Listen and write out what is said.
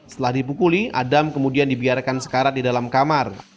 setelah dipukuli adam kemudian dibiarkan sekarat di dalam kamar